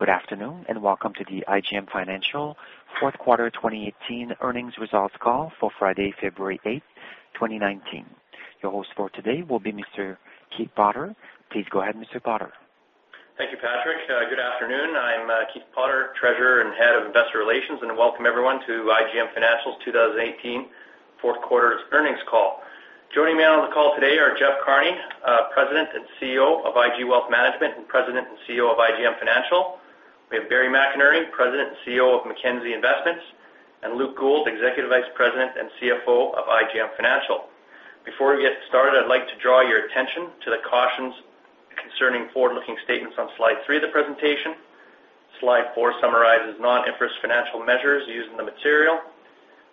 Good afternoon, and welcome to the IGM Financial fourth quarter 2018 earnings results call for Friday, February 8, 2019. Your host for today will be Mr. Keith Potter. Please go ahead, Mr. Potter. Thank you, Patrick. Good afternoon. I'm Keith Potter, Treasurer and Head of Investor Relations, and welcome everyone to IGM Financial's 2018 fourth quarter earnings call. Joining me on the call today are Jeff Carney, President and CEO of IG Wealth Management and President and CEO of IGM Financial. We have Barry McInerney, President and CEO of Mackenzie Investments, and Luke Gould, Executive Vice President and CFO of IGM Financial. Before we get started, I'd like to draw your attention to the cautions concerning forward-looking statements on slide three of the presentation. Slide four summarizes non-IFRS financial measures using the material.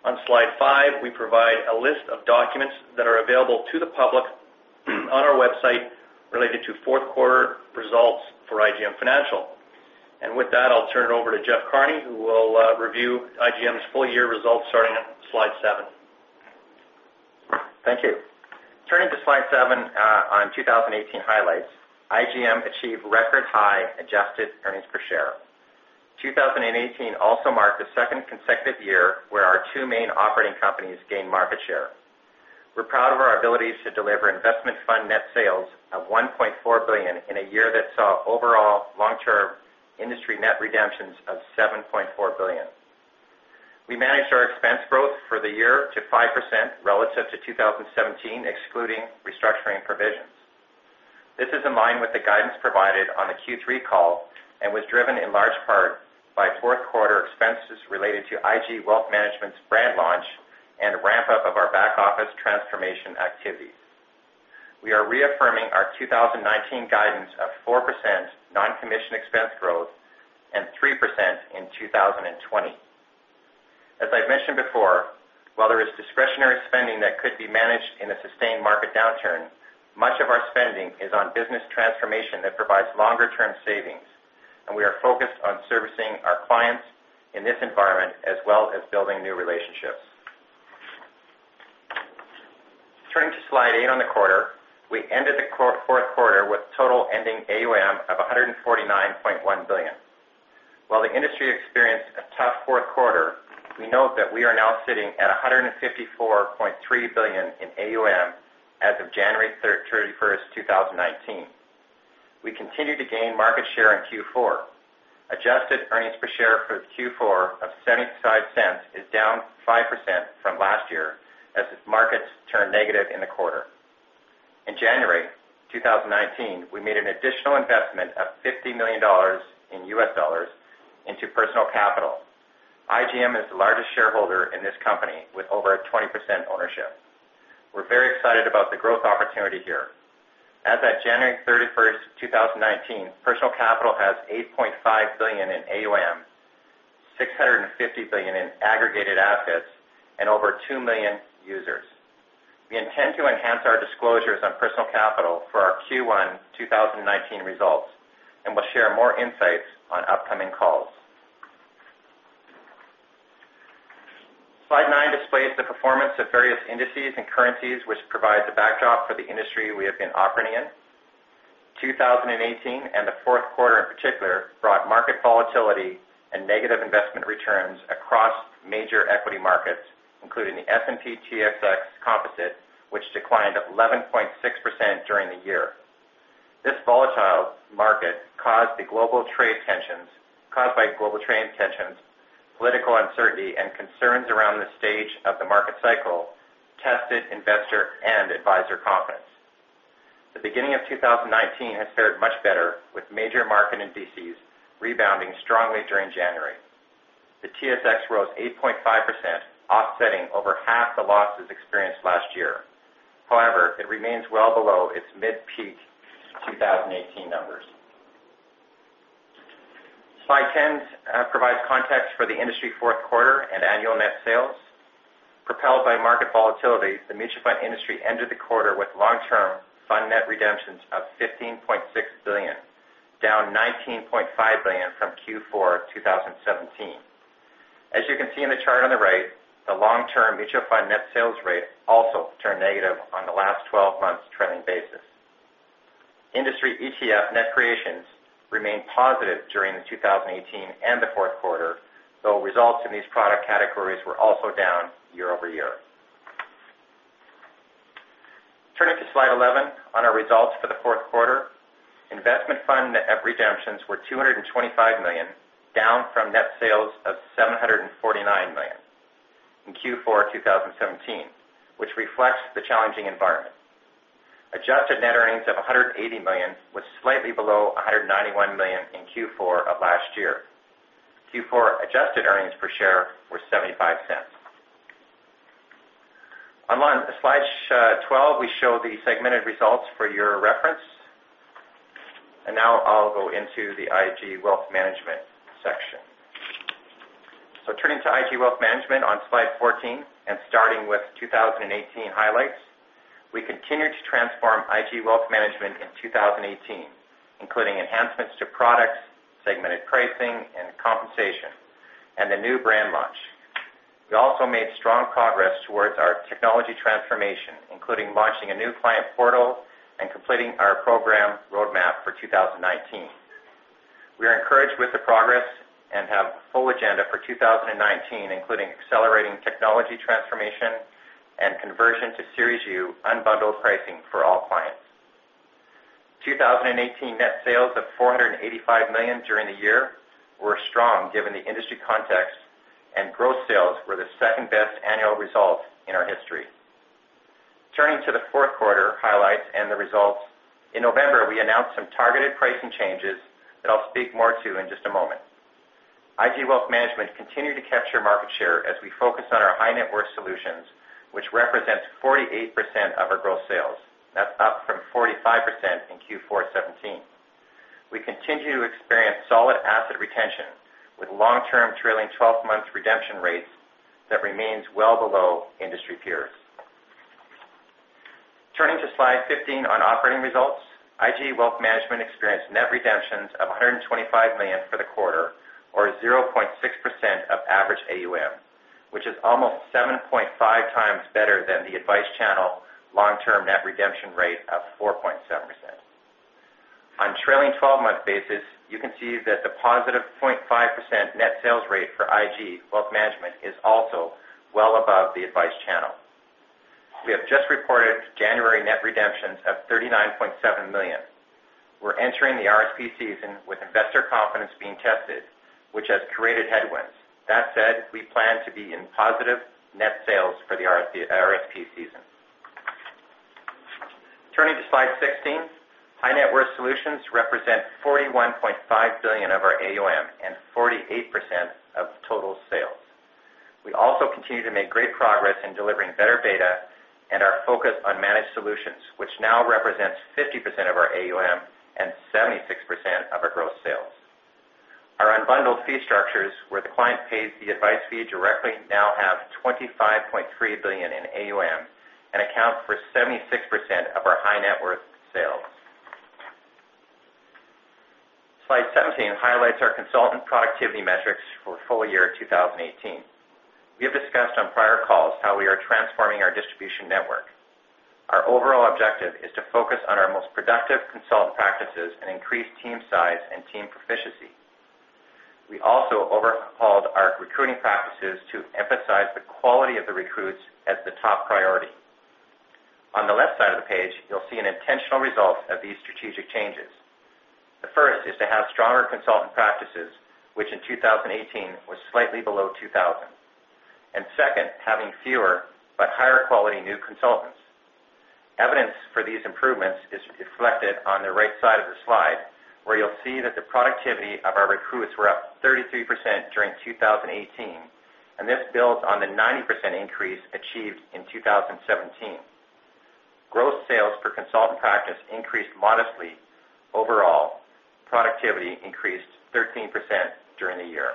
On slide five, we provide a list of documents that are available to the public on our website related to fourth quarter results for IGM Financial. And with that, I'll turn it over to Jeff Carney, who will review IGM's full year results starting on slide seven. Thank you. Turning to slide seven, on 2018 highlights, IGM achieved record high adjusted earnings per share. 2018 also marked the second consecutive year where our two main operating companies gained market share. We're proud of our ability to deliver investment fund net sales of 1.4 billion in a year that saw overall long-term industry net redemptions of 7.4 billion. We managed our expense growth for the year to 5% relative to 2017, excluding restructuring provisions. This is in line with the guidance provided on the Q3 call and was driven in large part by fourth quarter expenses related to IG Wealth Management's brand launch and a ramp-up of our back office transformation activities. We are reaffirming our 2019 guidance of 4% non-commission expense growth and 3% in 2020. As I've mentioned before, while there is discretionary spending that could be managed in a sustained market downturn, much of our spending is on business transformation that provides longer term savings, and we are focused on servicing our clients in this environment, as well as building new relationships. Turning to slide eight on the quarter, we ended the fourth quarter with total ending AUM of 149.1 billion. While the industry experienced a tough fourth quarter, we note that we are now sitting at 154.3 billion in AUM as of January 31st, 2019. We continued to gain market share in Q4. Adjusted earnings per share for Q4 of 0.75 is down 5% from last year as markets turned negative in the quarter. In January 2019, we made an additional investment of $50 million into Personal Capital. IGM is the largest shareholder in this company, with over a 20% ownership. We're very excited about the growth opportunity here. As at January 31st, 2019, Personal Capital has $8.5 billion in AUM, $650 billion in aggregated assets, and over 2 million users. We intend to enhance our disclosures on Personal Capital for our Q1 2019 results, and we'll share more insights on upcoming calls. Slide nine displays the performance of various indices and currencies, which provide the backdrop for the industry we have been operating in. 2018, and the fourth quarter in particular, brought market volatility and negative investment returns across major equity markets, including the S&P/TSX Composite Index, which declined 11.6% during the year. This volatile market, caused by global trade tensions, political uncertainty, and concerns around the stage of the market cycle, tested investor and advisor confidence. The beginning of 2019 has fared much better, with major market indices rebounding strongly during January. The TSX rose 8.5%, offsetting over half the losses experienced last year. However, it remains well below its mid-peak 2018 numbers. Slide 10 provides context for the industry fourth quarter and annual net sales. Propelled by market volatility, the mutual fund industry ended the quarter with long-term fund net redemptions of 15.6 billion, down 19.5 billion from Q4 2017. As you can see in the chart on the right, the long-term mutual fund net sales rate also turned negative on the last 12 months trending basis. Industry ETF net creations remained positive during 2018 and the fourth quarter, though results in these product categories were also down year-over-year. Turning to slide 11 on our results for the fourth quarter. Investment fund net redemptions were 225 million, down from net sales of 749 million in Q4 2017, which reflects the challenging environment. Adjusted net earnings of 180 million was slightly below 191 million in Q4 of last year. Q4 adjusted earnings per share were 0.75. On slide 12, we show the segmented results for your reference. Now I'll go into the IG Wealth Management section. Turning to IG Wealth Management on slide 14, and starting with 2018 highlights. We continued to transform IG Wealth Management in 2018, including enhancements to products, segmented pricing and compensation, and the new brand launch. We also made strong progress towards our technology transformation, including launching a new client portal and completing our program roadmap for 2019. We are encouraged with the progress and have a full agenda for 2019, including accelerating technology transformation and conversion to Series U unbundled pricing for all clients. 2018 net sales of 485 million during the year were strong, given the industry context, and gross sales were the second-best annual result in our history. Turning to the fourth quarter highlights and the results. In November, we announced some targeted pricing changes that I'll speak more to in just a moment. IG Wealth Management continued to capture market share as we focus on our high net worth solutions, which represents 48% of our gross sales. That's up from 45% in Q4 2017. We continue to experience solid asset retention, with long-term trailing twelve-month redemption rates that remains well below industry peers. Turning to slide 15 on operating results, IG Wealth Management experienced net redemptions of 125 million for the quarter, or 0.6% of average AUM, which is almost 7.5 times better than the advice channel long-term net redemption rate of 4.7%. On trailing twelve-month basis, you can see that the positive 0.5% net sales rate for IG Wealth Management is also well above the advice channel. We have just reported January net redemptions of 39.7 million. We're entering the RRSP season with investor confidence being tested, which has created headwinds. That said, we plan to be in positive net sales for the RRSP season. Turning to slide 16, high net worth solutions represent 41.5 billion of our AUM and 48% of total sales. We also continue to make great progress in delivering better data and our focus on managed solutions, which now represents 50% of our AUM and 76% of our gross sales. Our unbundled fee structures, where the client pays the advice fee directly, now have 25.3 billion in AUM and account for 76% of our high net worth sales. Slide 17 highlights our consultant productivity metrics for full year 2018. We have discussed on prior calls how we are transforming our distribution network. Our overall objective is to focus on our most productive consultant practices and increase team size and team proficiency. We also overhauled our recruiting practices to emphasize the quality of the recruits as the top priority. On the left side of the page, you'll see an intentional result of these strategic changes. The first is to have stronger consultant practices, which in 2018 was slightly below 2,000. And second, having fewer but higher quality new consultants. Evidence for these improvements is reflected on the right side of the slide, where you'll see that the productivity of our recruits were up 33% during 2018, and this builds on the 90% increase achieved in 2017. Gross sales per consultant practice increased modestly. Overall, productivity increased 13% during the year.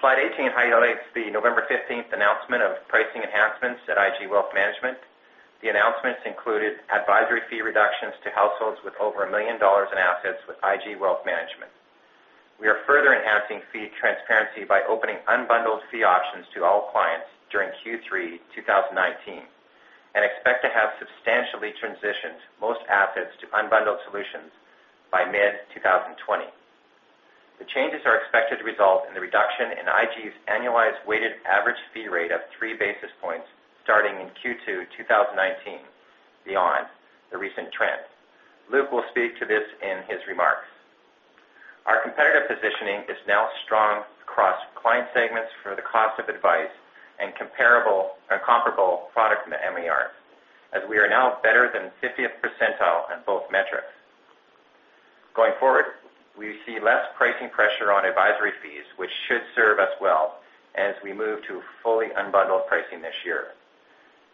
Slide 18 highlights the November fifteenth announcement of pricing enhancements at IG Wealth Management. The announcements included advisory fee reductions to households with over 1 million dollars in assets with IG Wealth Management. We are further enhancing fee transparency by opening unbundled fee options to all clients during Q3 2019, and expect to have substantially transitioned most assets to unbundled solutions by mid-2020. The changes are expected to result in the reduction in IG's annualized weighted average fee rate of 3 basis points starting in Q2 2019, beyond the recent trend. Luke will speak to this in his remarks. Our competitive positioning is now strong across client segments for the cost of advice and comparable, and comparable product MER, as we are now better than 50th percentile on both metrics. Going forward, we see less pricing pressure on advisory fees, which should serve us well as we move to fully unbundled pricing this year.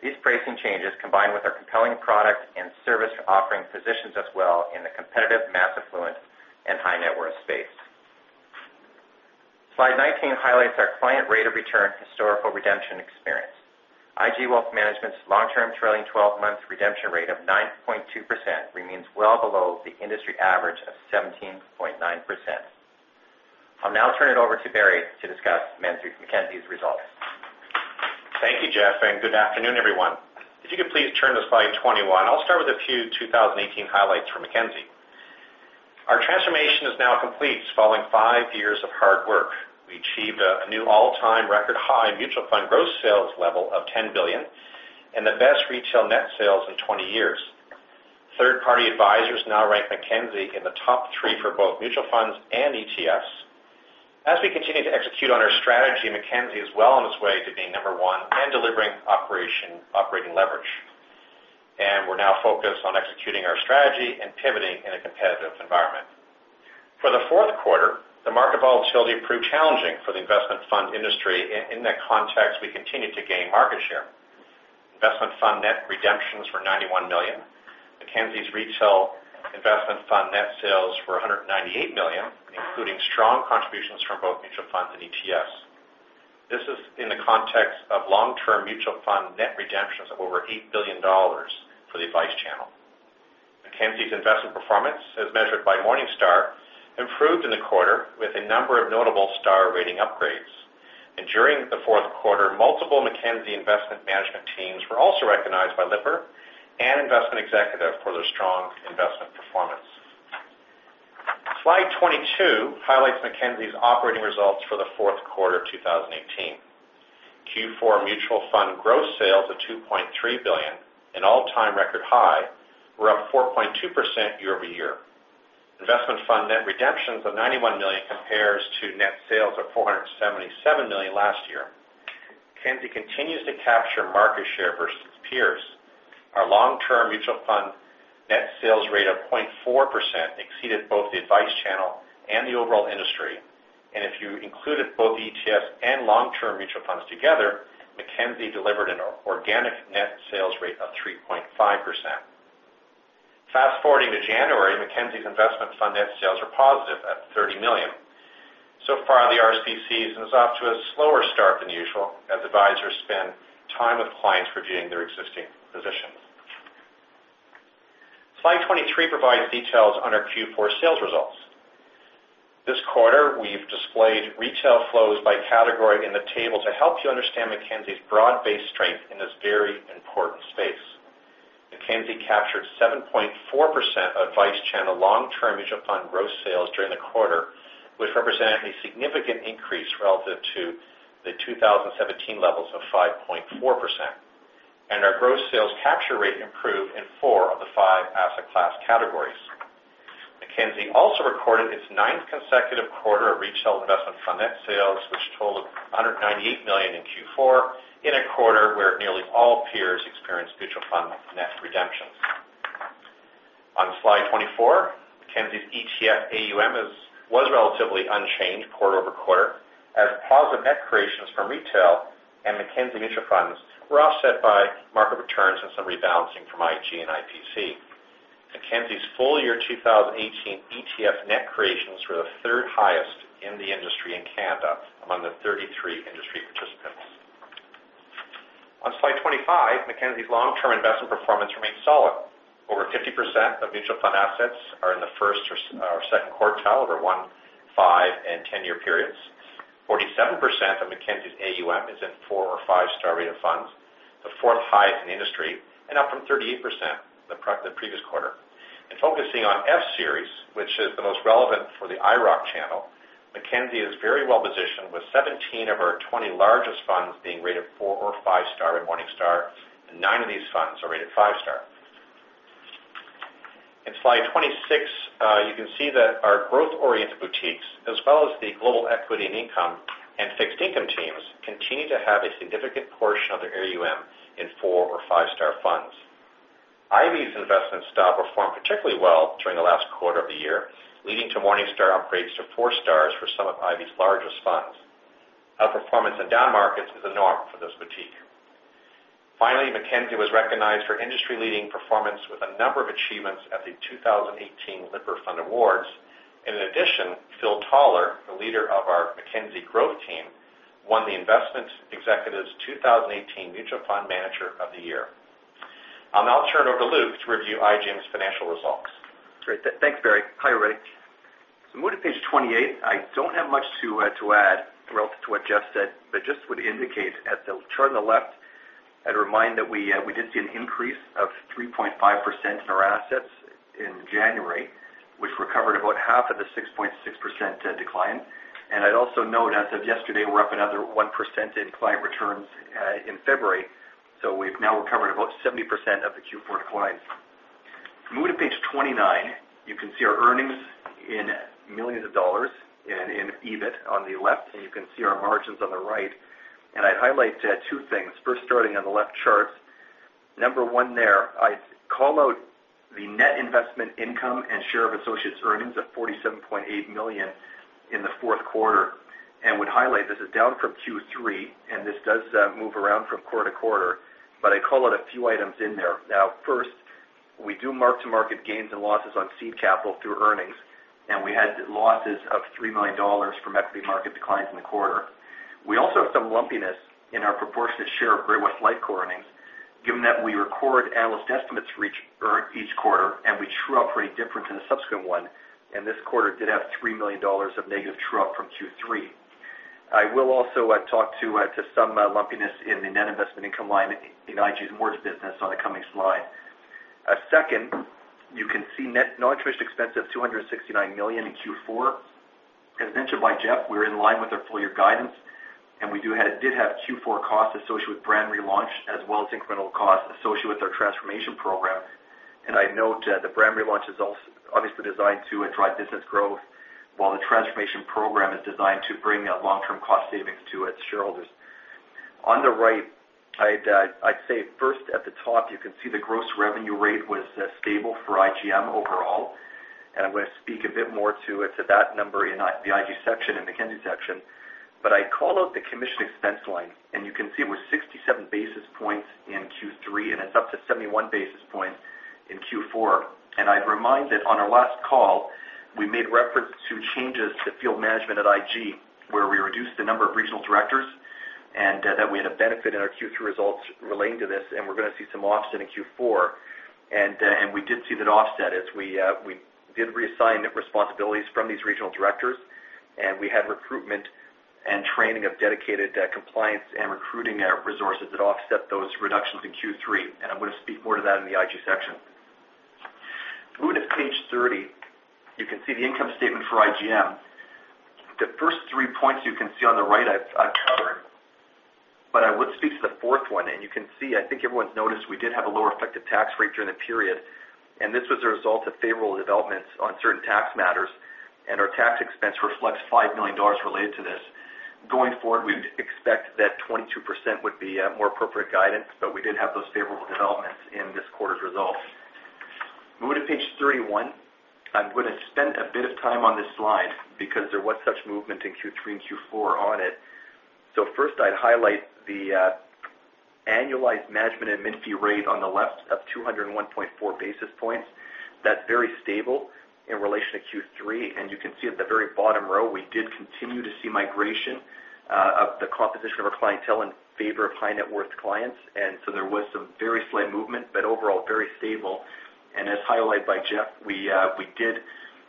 These pricing changes, combined with our compelling product and service offering, positions us well in the competitive, mass affluent, and high net worth space. Slide 19 highlights our client rate of return historical redemption experience. IG Wealth Management's long-term trailing twelve-month redemption rate of 9.2% remains well below the industry average of 17.9%. I'll now turn it over to Barry to discuss Mackenzie's results. Thank you, Jeff, and good afternoon, everyone. If you could please turn to slide 21, I'll start with a few 2018 highlights for Mackenzie. Our transformation is now complete following five years of hard work. We achieved a new all-time record high mutual fund gross sales level of 10 billion and the best retail net sales in 20 years. Third-party advisors now rank Mackenzie in the top three for both mutual funds and ETFs. As we continue to execute on our strategy, Mackenzie is well on its way to being number one and delivering operating leverage, and we're now focused on executing our strategy and pivoting in a competitive environment. For the fourth quarter, the market volatility proved challenging for the investment fund industry. In that context, we continued to gain market share. Investment fund net redemptions were 91 million. Mackenzie's retail investment fund net sales were 198 million, including strong contributions from both mutual funds and ETFs. This is in the context of long-term mutual fund net redemptions of over 8 billion dollars for the advice channel. Mackenzie's investment performance, as measured by Morningstar, improved in the quarter with a number of notable star rating upgrades. During the fourth quarter, multiple Mackenzie Investment management teams were also recognized by Lipper and Investment Executive for their strong investment performance. Slide 22 highlights Mackenzie's operating results for the fourth quarter of 2018. Q4 mutual fund gross sales of 2.3 billion, an all-time record high, were up 4.2% year-over-year. Investment fund net redemptions of 91 million compares to net sales of 477 million last year. Mackenzie continues to capture market share versus peers. Our long-term mutual fund net sales rate of 0.4% exceeded both the advice channel and the overall industry. If you included both ETFs and long-term mutual funds together, Mackenzie delivered an organic net sales rate of 3.5%. Fast-forwarding to January, Mackenzie's investment fund net sales are positive at 30 million. So far, the RRSPs is off to a slower start than usual, as advisors spend time with clients reviewing their existing positions. Slide 23 provides details on our Q4 sales results. This quarter, we've displayed retail flows by category in the table to help you understand Mackenzie's broad-based strength in this very important space. Mackenzie captured 7.4% of advice channel long-term mutual fund gross sales during the quarter, which represented a significant increase relative to the 2017 levels of 5.4%, and our gross sales capture rate improved in four of the five asset class categories. Mackenzie also recorded its ninth consecutive quarter of retail investment fund net sales, which totaled 198 million in Q4, in a quarter where nearly all peers experienced mutual fund net redemptions. On slide 24, Mackenzie's ETF AUM was relatively unchanged quarter-over-quarter, as positive net creations from retail and Mackenzie mutual funds were offset by market returns and some rebalancing from IG and IPC. Mackenzie's full year 2018 ETF net creations were the third highest in the industry in Canada, among the 33 industry participants. On slide 25, Mackenzie's long-term investment performance remains solid. Over 50% of mutual fund assets are in the first or second quartile over 1-, 5-, and 10-year periods. 47% of Mackenzie's AUM is in 4- or 5-star rated funds, the 4th highest in the industry, and up from 38% the previous quarter. Focusing on F Series, which is the most relevant for the IIROC channel, Mackenzie is very well positioned, with 17 of our 20 largest funds being rated 4- or 5-star in Morningstar, and 9 of these funds are rated 5-star. In slide 26, you can see that our growth-oriented boutiques, as well as the global equity and income and fixed income teams, continue to have a significant portion of their AUM in 4- or 5-star funds. Ivy's investment style performed particularly well during the last quarter of the year, leading to Morningstar upgrades to four stars for some of Ivy's largest funds. Outperformance in down markets is the norm for this boutique. Finally, Mackenzie was recognized for industry-leading performance with a number of achievements at the 2018 Lipper Fund Awards. In addition, Phil Taller, the leader of our Mackenzie Growth Team, won the Investment Executive's 2018 Mutual Fund Manager of the Year. I'll now turn it over to Luke to review IGM's financial results. Great. Thanks, Barry. Hi, everybody. So moving to page 28, I don't have much to add relative to what Jeff said, but just would indicate at the chart on the left, I'd remind that we did see an increase of 3.5% in our assets in January, which recovered about half of the 6.6% decline. And I'd also note, as of yesterday, we're up another 1% in client returns in February, so we've now recovered about 70% of the Q4 declines. Moving to page 29, you can see our earnings in millions dollars and in EBIT on the left, and you can see our margins on the right. And I'd highlight two things. First, starting on the left charts, number one there, I'd call out the net investment income and share of associates' earnings of 47.8 million in the fourth quarter, and would highlight this is down from Q3, and this does move around from quarter to quarter, but I'd call out a few items in there. Now, first, we do mark-to-market gains and losses on seed capital through earnings, and we had losses of 3 million dollars from equity market declines in the quarter. We also have some lumpiness in our proportionate share of Great-West Lifeco earnings, given that we record analyst estimates for each quarter, and we true-up for any difference in the subsequent one, and this quarter did have 3 million dollars of negative true-up from Q3. I will also talk to some lumpiness in the net investment income line in IG's mortgage business on the coming slide. Second, you can see net non-interest expense of 269 million in Q4. As mentioned by Jeff, we're in line with our full year guidance, and we did have Q4 costs associated with brand relaunch, as well as incremental costs associated with our transformation program. I'd note the brand relaunch is obviously designed to drive business growth, while the transformation program is designed to bring long-term cost savings to its shareholders. On the right, I'd say first at the top, you can see the gross revenue rate was stable for IGM overall, and I'm going to speak a bit more to that number in the IG section and Mackenzie section. I'd call out the commission expense line, and you can see it was 67 basis points in Q3, and it's up to 71 basis points in Q4. I'd remind that on our last call, we made reference to changes to field management at IG, where we reduced the number of regional directors, and that we had a benefit in our Q2 results relating to this, and we're going to see some offset in Q4. And we did see that offset as we did reassign the responsibilities from these regional directors, and we had recruitment and training of dedicated compliance and recruiting resources that offset those reductions in Q3. I'm going to speak more to that in the IG section. Moving to page 30, you can see the income statement for IGM. The first three points you can see on the right, I've covered, but I would speak to the fourth one. And you can see, I think everyone's noticed we did have a lower effective tax rate during the period, and this was a result of favorable developments on certain tax matters, and our tax expense reflects 5 million dollars related to this. Going forward, we would expect that 22% would be a more appropriate guidance, but we did have those favorable developments in this quarter's results. Moving to page 31, I'm going to spend a bit of time on this slide because there was such movement in Q3 and Q4 on it. So first, I'd highlight the annualized management admin fee rate on the left of 201.4 basis points. That's very stable in relation to Q3, and you can see at the very bottom row, we did continue to see migration of the composition of our clientele in favor of high net worth clients. And so there was some very slight movement, but overall, very stable. And as highlighted by Jeff, we, we did,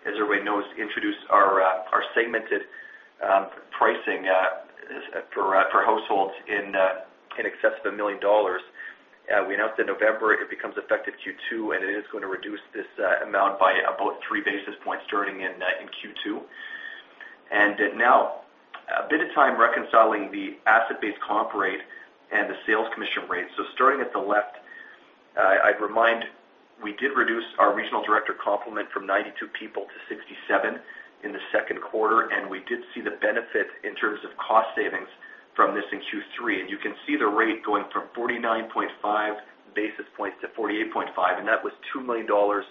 as everybody knows, introduce our, our segmented pricing for, for households in, in excess of 1 million dollars. We announced in November, it becomes effective Q2, and it is going to reduce this, amount by about three basis points starting in, in Q2. And now, a bit of time reconciling the asset-based comp rate and the sales commission rate. So starting at the left, I'd remind, we did reduce our regional director complement from 92 people to 67 in the second quarter, and we did see the benefit in terms of cost savings from this in Q3. And you can see the rate going from 49.5 basis points to 48.5, and that was 2 million dollars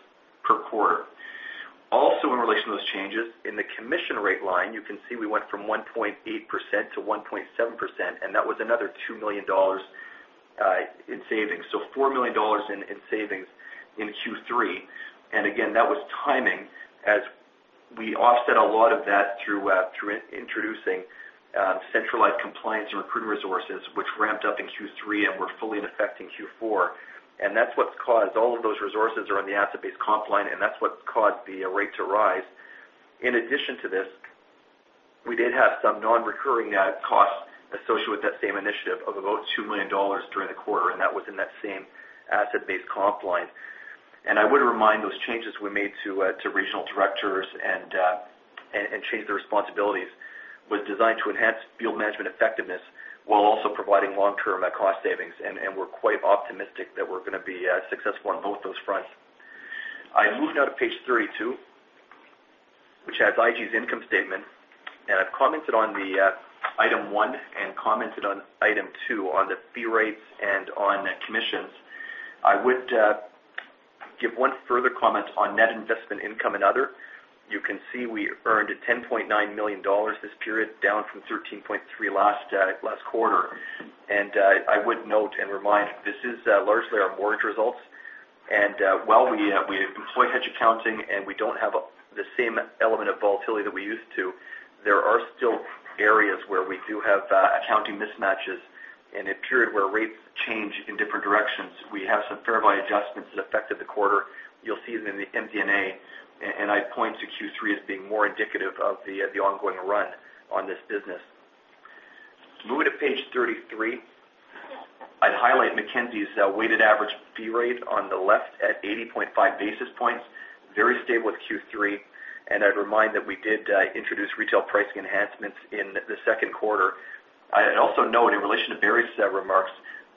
per quarter. Also, in relation to those changes, in the commission rate line, you can see we went from 1.8% to 1.7%, and that was another 2 million dollars in savings. So 4 million dollars in savings in Q3. And again, that was timing, as we offset a lot of that through introducing centralized compliance and recruiting resources, which ramped up in Q3 and were fully in effect in Q4. And that's what's caused all of those resources are on the asset-based comp line, and that's what's caused the rate to rise. In addition to this, we did have some non-recurring costs associated with that same initiative of about 2 million dollars during the quarter, and that was in that same asset-based comp line. And I would remind those changes we made to regional directors and changed their responsibilities was designed to enhance field management effectiveness while also providing long-term cost savings. And we're quite optimistic that we're going to be successful on both those fronts. I'm moving now to page 32, which has IG's income statement, and I've commented on the item one and commented on item two, on the fee rates and on commissions. I would give one further comment on net investment income and other. You can see we earned 10.9 million dollars this period, down from 13.3 million last quarter. I would note and remind, this is largely our mortgage results. While we, we employ hedge accounting, and we don't have the same element of volatility that we used to, there are still areas where we do have accounting mismatches in a period where rates change in different directions. We have some fair value adjustments that affected the quarter. You'll see it in the MD&A, and I'd point to Q3 as being more indicative of the ongoing run on this business. Moving to page 33, I'd highlight Mackenzie's weighted average fee rate on the left at 80.5 basis points, very stable with Q3. I'd remind that we did introduce retail pricing enhancements in the second quarter. I'd also note, in relation to Barry's remarks,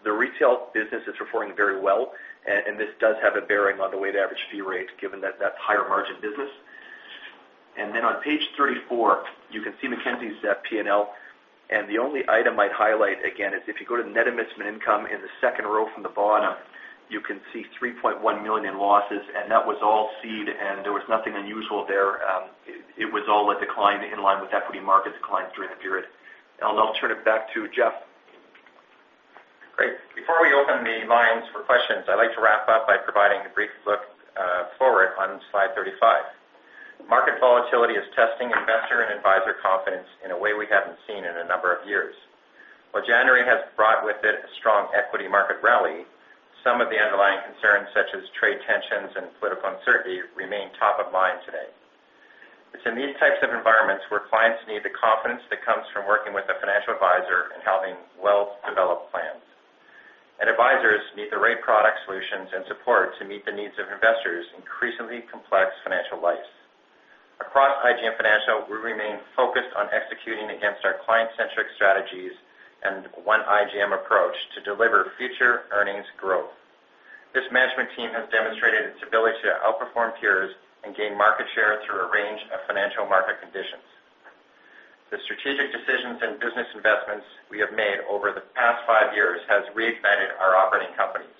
the retail business is performing very well, and, and this does have a bearing on the weighted average fee rate, given that that's higher margin business. Then on page 34, you can see Mackenzie's P&L, and the only item I'd highlight again is if you go to the net investment income in the second row from the bottom, you can see 3.1 million in losses, and that was all seed, and there was nothing unusual there. It was all a decline in line with equity markets declines during the period. I'll turn it back to Jeff. Great. Before we open the lines for questions, I'd like to wrap up by providing a brief look forward on slide 35. Market volatility is testing investor and advisor confidence in a way we haven't seen in a number of years. While January has brought with it a strong equity market rally, some of the underlying concerns, such as trade tensions and political uncertainty, remain top of mind today. It's in these types of environments where clients need the confidence that comes from working with a financial advisor and having well-developed plans. Advisors need the right product solutions and support to meet the needs of investors' increasingly complex financial lives. Across IGM Financial, we remain focused on executing against our client-centric strategies and One IGM approach to deliver future earnings growth. This management team has demonstrated its ability to outperform peers and gain market share through a range of financial market conditions. The strategic decisions and business investments we have made over the past five years has reignited our operating companies.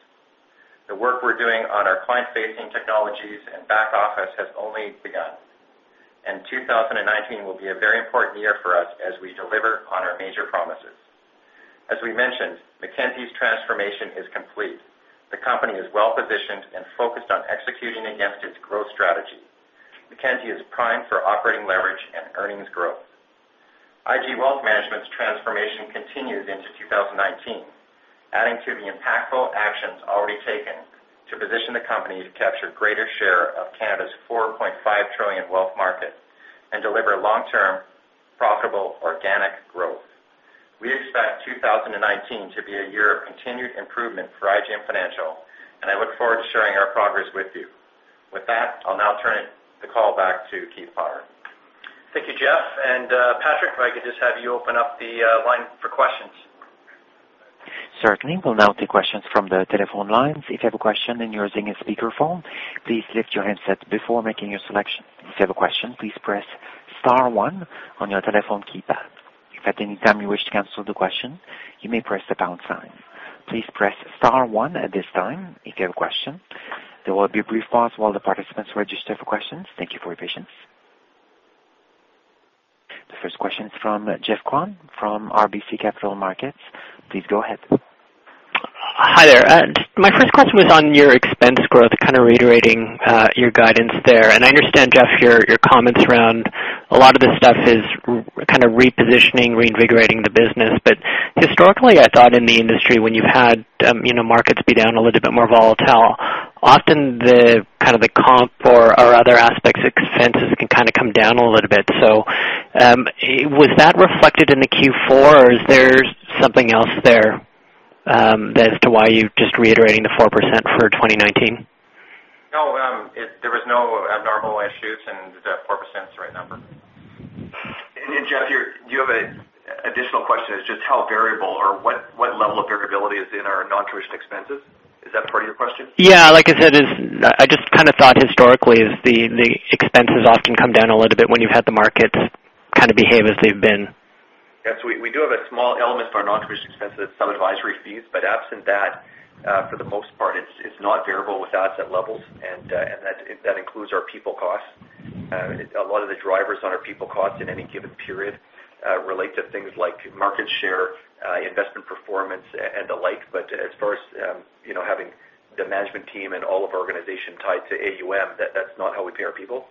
The work we're doing on our client-facing technologies and back office has only begun, and 2019 will be a very important year for us as we deliver on our major promises. As we mentioned, Mackenzie's transformation is complete. The company is well-positioned and focused on executing against its growth strategy. Mackenzie is primed for operating leverage and earnings growth. IG Wealth Management's transformation continued into 2019, adding to the impactful actions already taken to position the company to capture greater share of Canada's 4.5 trillion wealth market and deliver long-term, profitable, organic growth. We expect 2019 to be a year of continued improvement for IGM Financial, and I look forward to sharing our progress with you. With that, I'll now turn the call back to Keith Potter. Thank you, Jeff. Patrick, if I could just have you open up the line for questions. Certainly. We'll now take questions from the telephone lines. If you have a question and you're using a speakerphone, please lift your handset before making your selection. If you have a question, please press star one on your telephone keypad. If at any time you wish to cancel the question, you may press the pound sign. Please press star one at this time if you have a question. There will be a brief pause while the participants register for questions. Thank you for your patience. The first question is from Geoff Kwan from RBC Capital Markets. Please go ahead. Hi there. My first question was on your expense growth, kind of reiterating your guidance there. And I understand, Jeff, your comments around a lot of this stuff is kind of repositioning, reinvigorating the business. But historically, I thought in the industry, when you've had, you know, markets be down a little bit more volatile, often the kind of the comp or other aspects of consensus can kind of come down a little bit. So, was that reflected in the Q4, or is there something else there, as to why you're just reiterating the 4% for 2019? No, there was no abnormal issues, and the 4% is the right number. Geoff, you, you have a additional question is just how variable or what, what level of variability is in our non-interest expenses? Is that part of your question? Yeah, like I said, it's. I just kind of thought historically, the expenses often come down a little bit when you've had the markets kind of behave as they've been. Yes, we do have a small element for our non-interest expenses, some advisory fees, but absent that, for the most part, it's not variable with asset levels, and that includes our people costs. A lot of the drivers on our people costs in any given period relate to things like market share, investment performance, and the like. But as far as, you know, having the management team and all of our organization tied to AUM, that's not how we pay our people.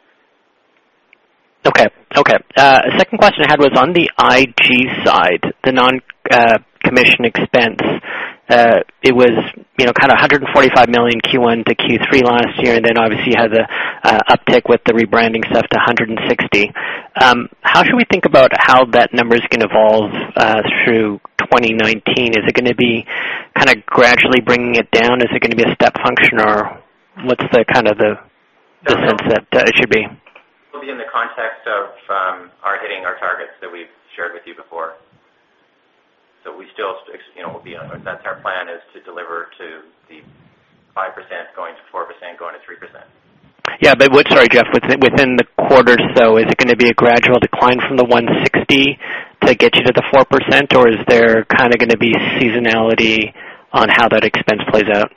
Okay. Okay, second question I had was on the IG side, the non-commission expense. It was, you know, kind of 145 million Q1 to Q3 last year, and then obviously had a uptick with the rebranding stuff to 160 million. How should we think about how that number is going to evolve, through 2019? Is it going to be kind of gradually bringing it down? Is it going to be a step function, or what's the kind of the, the sense that it should be? It will be in the context of our hitting our targets that we've shared with you before. So we still, you know, we'll be, that's our plan is to deliver to the 5%, going to 4%, going to 3%. Yeah, but what... Sorry, Jeff, within the quarter, so is it going to be a gradual decline from the 160 to get you to the 4%, or is there kind of going to be seasonality on how that expense plays out?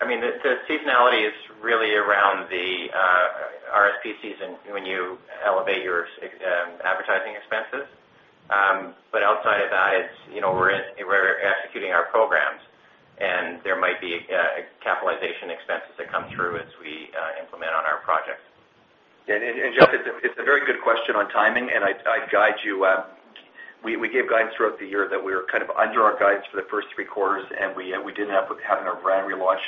I mean, the seasonality is really around the RSP season when you elevate your advertising expenses. But outside of that, it's, you know, we're executing our programs, and there might be capitalization expenses that come through as we implement on our projects. Geoff, it's a very good question on timing, and I'd guide you. We gave guidance throughout the year that we were kind of under our guidance for the first three quarters, and we didn't have our brand relaunch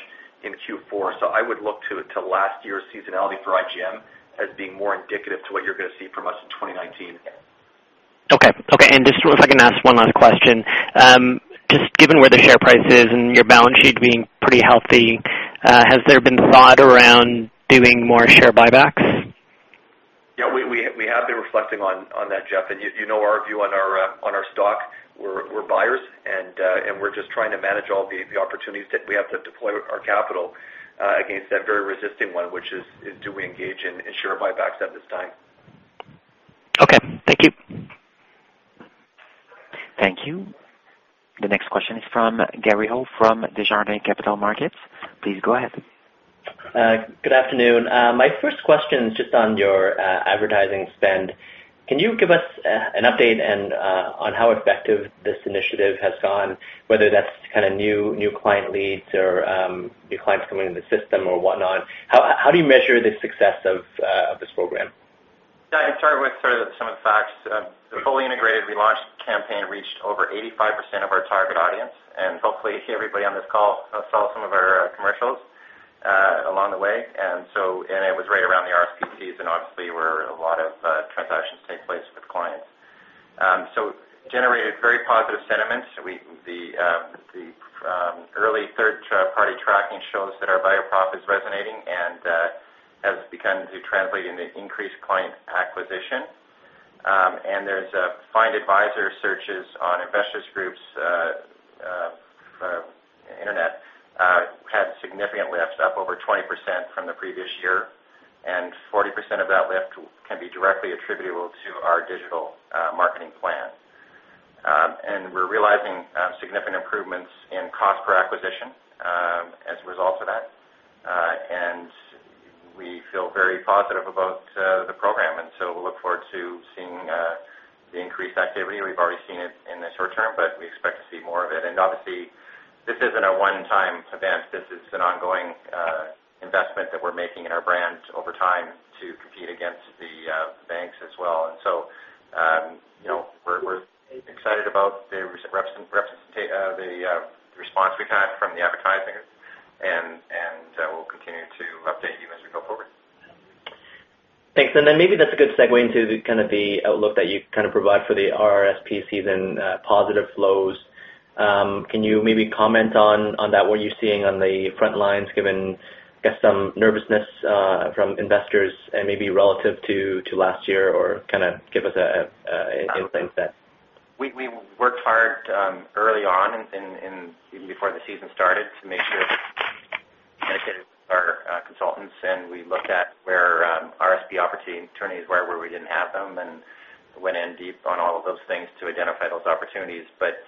in Q4. So I would look to last year's seasonality for IGM as being more indicative to what you're going to see from us in 2019. Okay. Okay, and just if I can ask one last question. Just given where the share price is and your balance sheet being pretty healthy, has there been thought around doing more share buybacks? Yeah, we have been reflecting on that, Geoff. And you know our view on our stock. We're buyers, and we're just trying to manage all the opportunities that we have to deploy our capital against that very resisting one, which is do we engage in share buybacks at this time? Okay. Thank you. Thank you. The next question is from Gary Ho from Desjardins Capital Markets. Please go ahead. Good afternoon. My first question is just on your advertising spend. Can you give us an update and on how effective this initiative has gone, whether that's kind of new client leads or new clients coming in the system or whatnot? How do you measure the success of this program? Yeah, I'd start with sort of some of the facts. The fully integrated relaunch campaign reached over 85% of our target audience, and hopefully everybody on this call saw some of our commercials along the way. And it was right around the RSP season, obviously, where a lot of transactions take place with clients. So generated very positive sentiments. The early third-party tracking shows that our brand profile is resonating and has begun to translate into increased client acquisition. And there's Find an Advisor searches on Investors Group's internet that was up over 20% from the previous year, and 40% of that lift can be directly attributable to our digital marketing plan. And we're realizing significant improvements in cost per acquisition as a result of that. And we feel very positive about the program, and so we look forward to seeing the increased activity. We've already seen it in the short term, but we expect to see more of it. And obviously, this isn't a one-time event. This is an ongoing investment that we're making in our brand over time to compete against the banks as well. And so, you know, we're excited about the recent response we've had from the advertising, and we'll continue to update you as we go forward. Thanks. And then maybe that's a good segue into the kind of outlook that you kind of provide for the RRSP season, positive flows. Can you maybe comment on that, what you're seeing on the front lines, given, I guess, some nervousness from investors and maybe relative to last year, or kind of give us a insight there? We worked hard early on in even before the season started to make sure that our consultants and we looked at where RSP opportunities were where we didn't have them and went in deep on all of those things to identify those opportunities. But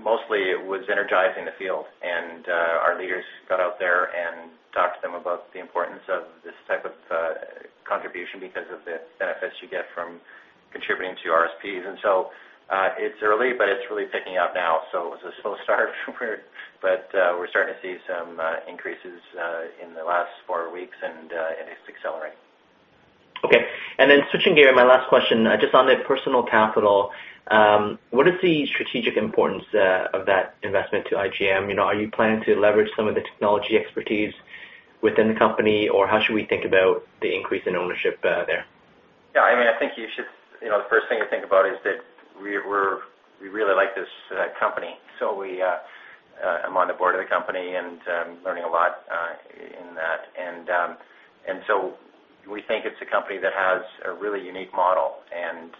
mostly it was energizing the field and our leaders got out there and talked to them about the importance of this type of contribution because of the benefits you get from contributing to RSPs. So it's early but it's really picking up now. So it was a slow start but we're starting to see some increases in the last four weeks and it's accelerating. Okay. And then switching gears, my last question, just on the Personal Capital, what is the strategic importance of that investment to IGM? You know, are you planning to leverage some of the technology expertise within the company, or how should we think about the increase in ownership there? Yeah, I mean, I think you should. You know, the first thing to think about is that we're we really like this company. So we, I'm on the board of the company, and learning a lot in that. And so we think it's a company that has a really unique model, and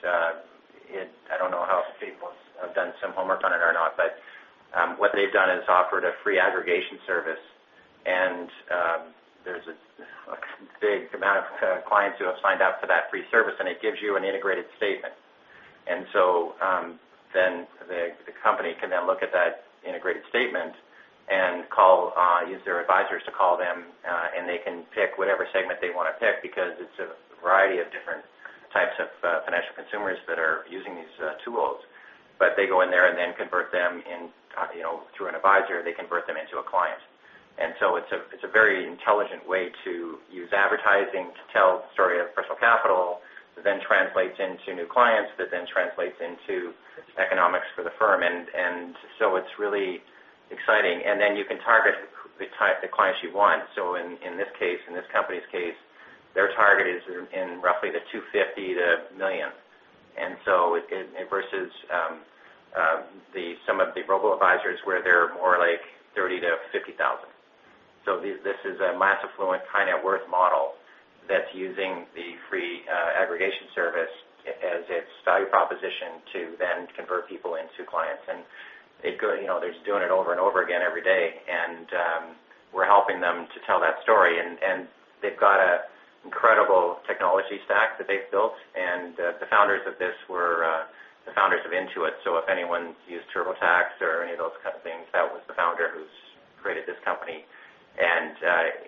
I don't know how if people have done some homework on it or not, but what they've done is offered a free aggregation service. And there's a big amount of clients who have signed up for that free service, and it gives you an integrated statement. And so, then the company can then look at that integrated statement and call, use their advisors to call them, and they can pick whatever segment they want to pick, because it's a variety of different types of financial consumers that are using these tools. But they go in there and then convert them in, you know, through an advisor, they convert them into a client. And so it's a, it's a very intelligent way to use advertising to tell the story of Personal Capital, that then translates into new clients, that then translates into economics for the firm. And, and so it's really exciting. And then you can target the type, the clients you want. So in, in this case, in this company's case, their target is in, in roughly the $250,000 million-$1 million. And so it versus some of the robo-advisors, where they're more like $30,000-$50,000. So this is a mass affluent, high net worth model that's using the free aggregation service as its value proposition to then convert people into clients. And you know, they're doing it over and over again every day, and we're helping them to tell that story. And they've got an incredible technology stack that they've built. And the founders of this were the founders of Intuit. So if anyone used TurboTax or any of those kind of things, that was the founder who's created this company. And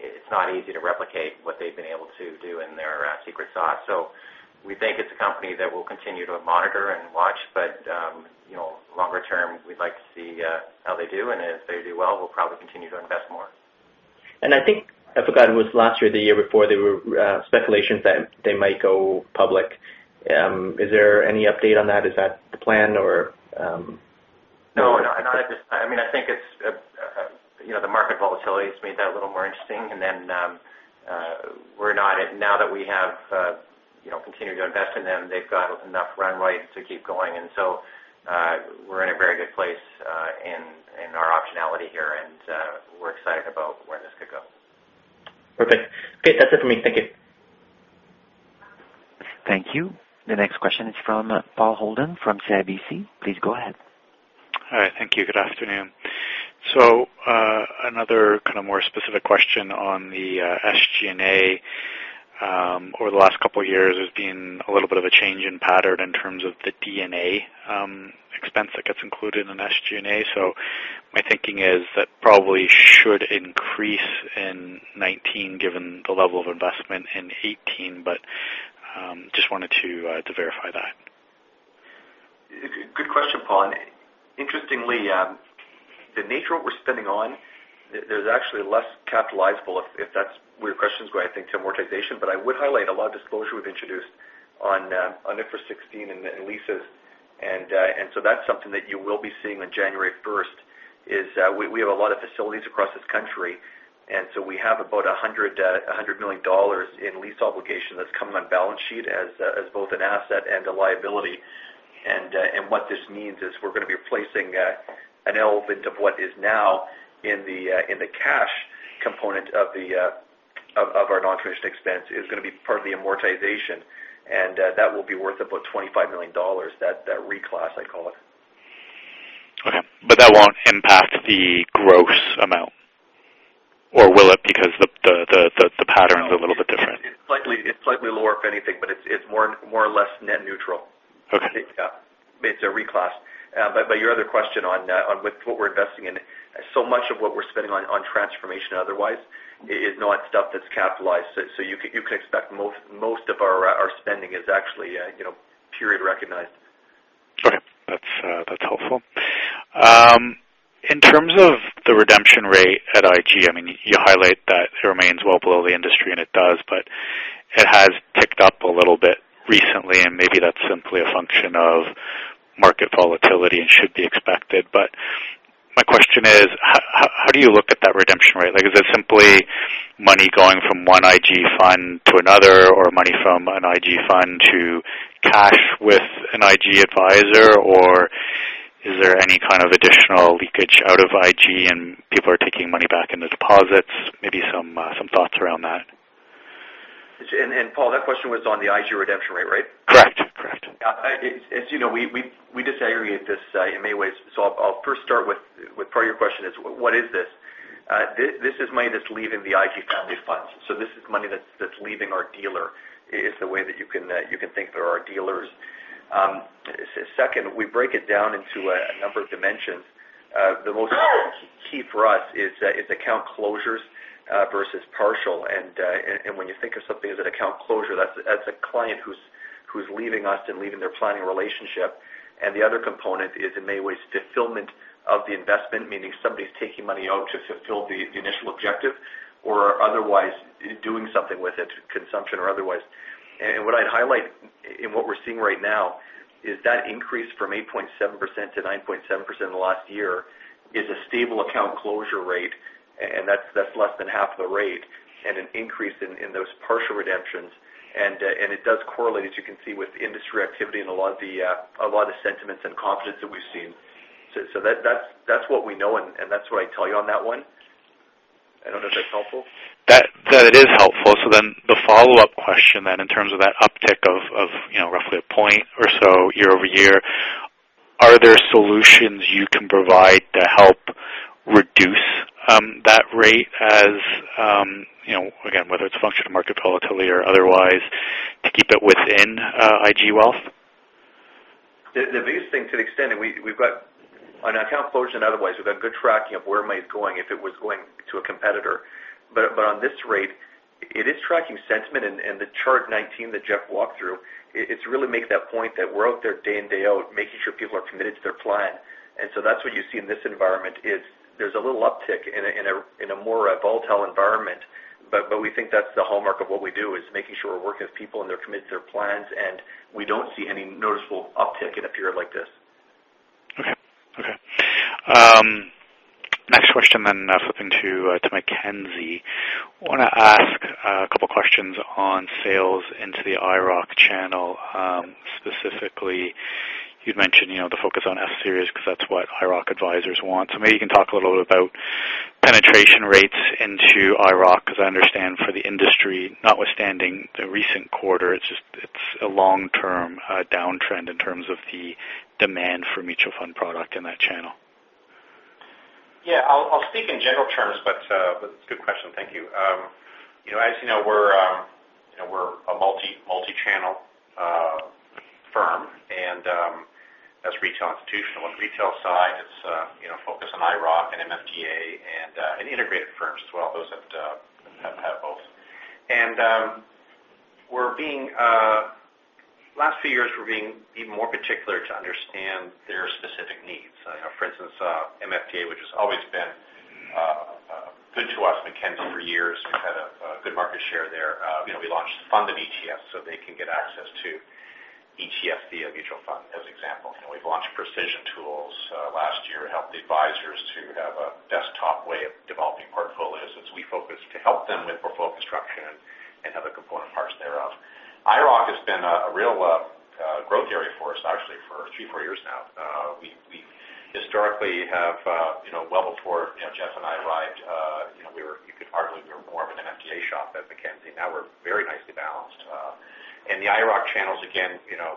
it's not easy to replicate what they've been able to do in their secret sauce. So we think it's a company that we'll continue to monitor and watch, but, you know, longer term, we'd like to see, how they do, and if they do well, we'll probably continue to invest more. I think, I forgot, it was last year or the year before, there were speculations that they might go public. Is there any update on that? Is that the plan or, No, not at this time. I mean, I think it's, you know, the market volatility has made that a little more interesting. And then, now that we have, you know, continued to invest in them, they've got enough runway to keep going. And so, we're in a very good place, in our optionality here, and, we're excited about where this could go. Perfect. Okay, that's it for me. Thank you. Thank you. The next question is from Paul Holden from CIBC. Please go ahead. Hi. Thank you. Good afternoon. So, another kind of more specific question on the SG&A. Over the last couple of years, there's been a little bit of a change in pattern in terms of the D&A expense that gets included in SG&A. So my thinking is that probably should increase in 2019, given the level of investment in 2018, but just wanted to to verify that. Good question, Paul. Interestingly, the nature of what we're spending on, there's actually less capitalizable, if that's where your question is going, I think, amortization. But I would highlight a lot of disclosure we've introduced on, on IFRS 16 and, and leases. And so that's something that you will be seeing on January 1st, we have a lot of facilities across this country, and so we have about 100 million dollars in lease obligation that's coming on balance sheet as, as both an asset and a liability. And what this means is we're going to be placing an element of what is now in the cash component of our non-interest expense as going to be part of the amortization, and that will be worth about 25 million dollars, that reclass I call it. Okay. But that won't impact the gross amount, or will it? Because the pattern is a little bit different. It's slightly lower than anything, but it's more or less net neutral. Okay. Yeah, it's a reclass. But your other question on with what we're investing in, so much of what we're spending on transformation otherwise-... is not stuff that's capitalized. So you can expect most of our spending is actually, you know, period recognized. Okay, that's, that's helpful. In terms of the redemption rate at IG, I mean, you highlight that it remains well below the industry, and it does, but it has ticked up a little bit recently, and maybe that's simply a function of market volatility and should be expected. But my question is, how do you look at that redemption rate? Like, is it simply money going from one IG fund to another, or money from an IG fund to cash with an IG advisor? Or is there any kind of additional leakage out of IG, and people are taking money back into deposits? Maybe some thoughts around that. And, Paul, that question was on the IG redemption rate, right? Correct, correct. As you know, we disaggregate this in many ways. I'll first start with part of your question is, what is this? This is money that's leaving the IG family of funds. So this is money that's leaving our dealer, is the way that you can think through our dealers. Second, we break it down into a number of dimensions. The most key for us is account closures versus partial. When you think of something as an account closure, that's a client who's leaving us and leaving their planning relationship. The other component is, in many ways, fulfillment of the investment, meaning somebody's taking money out to fulfill the initial objective or otherwise doing something with it, consumption or otherwise. And what I'd highlight in what we're seeing right now is that increase from 8.7% to 9.7% in the last year is a stable account closure rate, and that's less than half the rate and an increase in those partial redemptions. And it does correlate, as you can see, with industry activity and a lot of the sentiments and confidence that we've seen. So, that, that's what we know, and that's what I'd tell you on that one. I don't know if that's helpful. That is helpful. So the follow-up question, in terms of that uptick of you know roughly a point or so year-over-year, are there solutions you can provide to help reduce that rate as you know again whether it's a function of market volatility or otherwise to keep it within IG Wealth? The biggest thing, to the extent, and we've got good tracking on account closure and otherwise, of where money is going, if it was going to a competitor. But on this rate, it is tracking sentiment, and the Chart 19 that Jeff walked through, it's really make that point that we're out there day in, day out, making sure people are committed to their plan. And so that's what you see in this environment, is there's a little uptick in a more volatile environment. But we think that's the hallmark of what we do, is making sure we're working with people, and they're committed to their plans, and we don't see any noticeable uptick in a period like this. Okay. Okay. Next question then, flipping to, to Mackenzie. I want to ask, a couple questions on sales into the IIROC channel. Specifically, you'd mentioned, you know, the focus on F Series because that's what IIROC advisors want. So maybe you can talk a little bit about penetration rates into IIROC, because I understand for the industry, notwithstanding the recent quarter, it's just- it's a long-term, downtrend in terms of the demand for mutual fund product in that channel. Yeah, I'll, I'll speak in general terms, but but good question. Thank you. You know, as you know, we're you know, we're a multi, multi-channel firm, and that's retail, institutional. On the retail side, it's you know, focused on IIROC and MFDA and and integrated firms as well, those that have have both. And we're being... Last few years, we're being even more particular to understand their specific needs. For instance, MFDA, which has always been good to us, Mackenzie, for years. We've had a a good market share there. You know, we launched the fund of ETFs so they can get access to ETF via mutual fund, as example. You know, we've launched precision tools last year, helped the advisors to have a desktop way of developing portfolios, as we focus to help them with portfolio construction and other component parts thereof. IIROC has been a real growth area for us, actually, for 3-4 years now. We historically have, you know, well before, you know, Jeff and I arrived, you know, we were- you could argue we were more of an MFDA shop at Mackenzie. Now, we're very nicely balanced. And the IIROC channels, again, you know,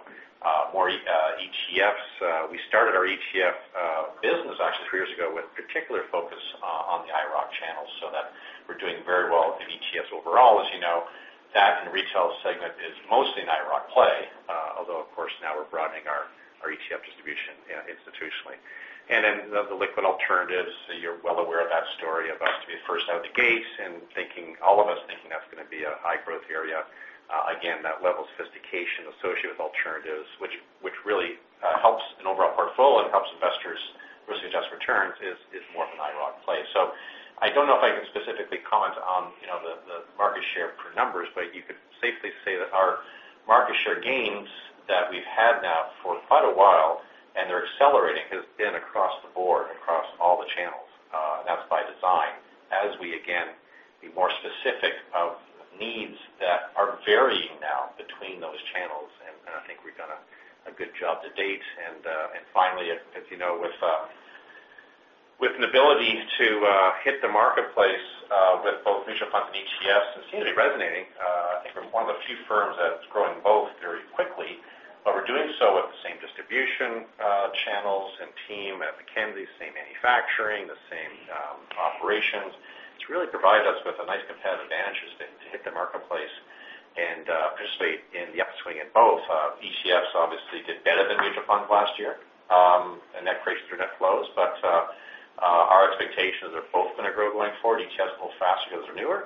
more ETFs. We started our ETF business actually 3 years ago with particular focus on the IIROC channels, so that we're doing very well in ETFs overall. As you know, that and retail segment is mostly an IIROC play, although, of course, now we're broadening our, our ETF distribution, institutionally. And then the liquid alternatives, you're well aware of that story of us being first out of the gate and thinking, all of us thinking that's going to be a high-growth area. Again, that level of sophistication associated with alternatives, which, which really, helps an overall portfolio and helps investors risk-adjusted returns, is, is more of an IIROC play. So I don't know if I can specifically comment on, you know, the, the market share per numbers, but you could safely say that our market share gains that we've had now for quite a while, and they're accelerating, has been across the board, across all the channels. And that's by design, as we again be more specific to needs that are varying now between those channels. And I think we've done a good job to date. And finally, as you know, with an ability to hit the marketplace with both mutual funds and ETFs, it seems to be resonating. I think we're one of the few firms that's growing both very quickly, but we're doing so with the same distribution channels and team at Mackenzie, same manufacturing, the same operations, which really provides us with a nice competitive advantage as to hit the marketplace and participate in the upswing in both. ETFs obviously did better than mutual funds last year in net creations through net flows. But our expectations are both going to grow going forward. ETFs move faster because they're newer.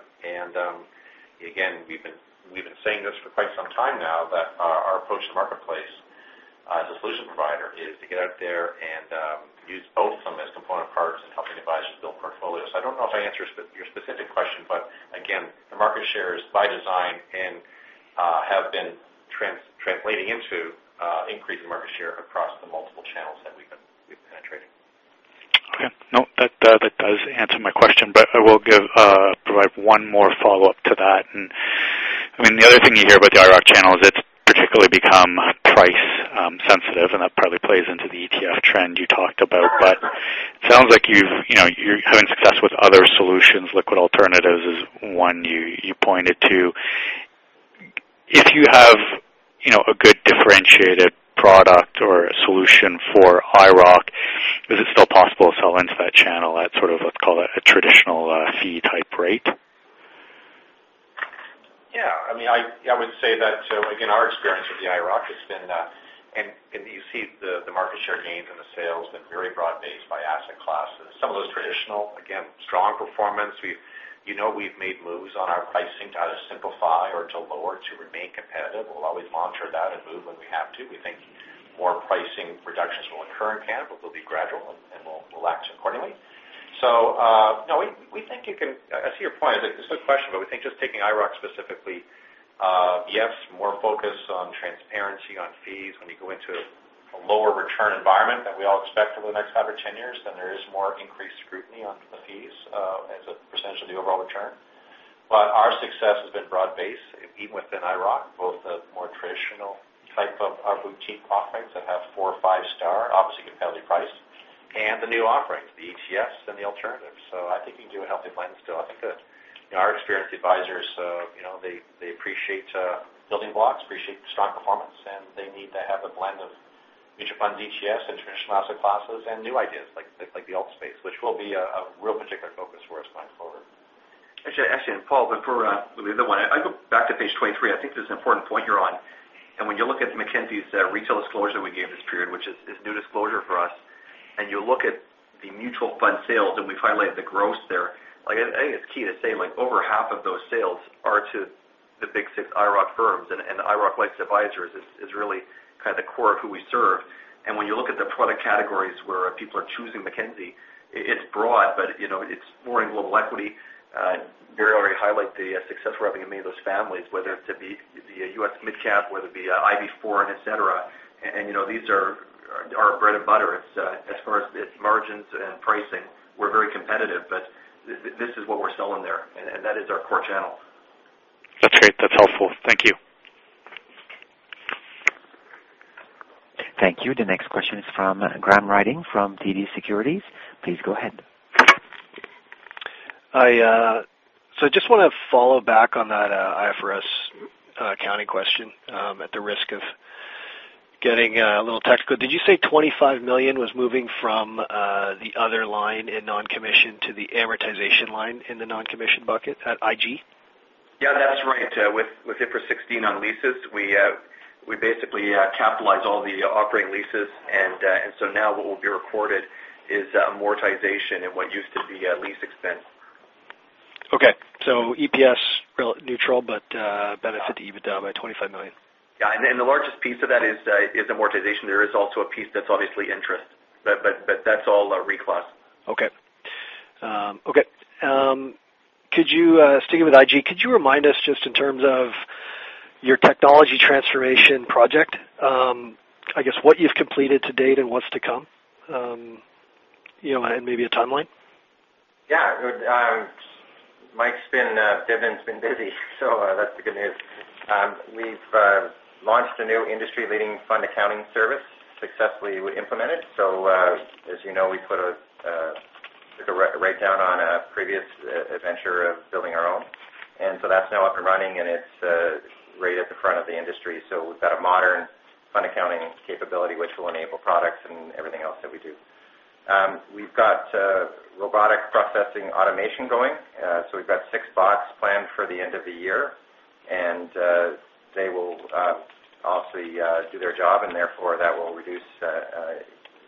Again, we've been saying this for quite some time now, that our approach to the marketplace, as a solution provider, is to get out there and use both of them as component parts in helping advisors build portfolios. I don't know if I answered your specific question, but again, the market share is by design and have been translating into increasing market share across the multiple channels that we've been penetrating. Okay. No, that, that does answer my question, but I will provide one more follow-up to that. And I mean, the other thing you hear about the IIROC channel is it's particularly become price sensitive, and that probably plays into the ETF trend you talked about. But it sounds like you've, you know, you're having success with other solutions. Liquid alternatives is one you pointed to. If you have, you know, a good differentiated product or a solution for IIROC, is it still possible to sell into that channel at sort of, let's call it, a traditional fee type rate? Yeah. I mean, I would say that, again, our experience with the IIROC has been, and you see the market share gains and the sales been very broad-based by asset classes. Some of those traditional, again, strong performance. We've, you know, we've made moves on our pricing to either simplify or to lower to remain competitive. We'll always monitor that and move when we have to. We think more pricing reductions will occur in Canada, but they'll be gradual and we'll act accordingly. So, no, we think you can. I see your point. It's a good question, but we think just taking IIROC specifically, yes, more focus on transparency, on fees. When you go into a lower return environment that we all expect over the next five or 10 years, then there is more increased scrutiny on the fees as a percentage of the overall return. But our success has been broad-based, even within IIROC, both the more traditional type of our boutique offerings that have four or five star, obviously, competitive price, and the new offerings, the ETFs and the alternatives. So I think you can do a healthy blend still. I think that, in our experienced advisors, you know, they appreciate building blocks, appreciate strong performance, and they need to have a blend of mutual funds, ETFs, and traditional asset classes, and new ideas like, like, like the alt space, which will be a real particular focus for us going forward. Actually, and Paul, but for the other one, I go back to page 23. I think this is an important point you're on. When you look at Mackenzie's retail disclosure we gave this period, which is new disclosure for us, and you look at the mutual fund sales, and we highlight the gross there. Like, I think it's key to say, like, over half of those sales are to the Big Six IIROC firms, and IIROC-licensed advisors is really kind of the core of who we serve. When you look at the product categories where people are choosing Mackenzie, it's broad, but you know, it's boring global equity. Barry already highlight the success we're having in many of those families, whether it to be the U.S. midcap, whether it be, Ivy Foreign, et cetera. You know, these are our, our bread and butter. It's, as far as its margins and pricing, we're very competitive, but this is what we're selling there, and, and that is our core channel. That's great. That's helpful. Thank you. Thank you. The next question is from Graham Ryding, from TD Securities. Please go ahead. So I just want to follow back on that, IFRS accounting question, at the risk of getting a little technical. Did you say 25 million was moving from the other line in non-commission to the amortization line in the non-commission bucket at IG? Yeah, that's right. With IFRS 16 on leases, we basically capitalize all the operating leases. And so now what will be recorded is amortization in what used to be lease expense. Okay. So EPS real neutral, but benefit to EBITDA by 25 million. Yeah, and then the largest piece of that is amortization. There is also a piece that's obviously interest, but that's all reclassed. Okay. Sticking with IG, could you remind us just in terms of your technology transformation project, I guess, what you've completed to date and what's to come? You know, and maybe a timeline. Yeah. Mike's been, Dibden's been busy, so, that's the good news. We've launched a new industry-leading fund accounting service, successfully implemented. So, as you know, we took a write-down on a previous adventure of building our own. And so that's now up and running, and it's right at the front of the industry. So we've got a modern fund accounting capability, which will enable products and everything else that we do. We've got robotic processing automation going. So we've got six bots planned for the end of the year, and they will obviously do their job, and therefore, that will reduce